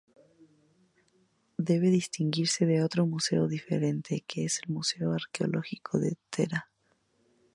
Debe distinguirse de otro museo diferente que es el Museo Arqueológico de Thera.